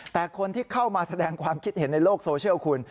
แต่คนที่เข้ามาแสดงความคิดเห็นในโลกโซเชียลคุณ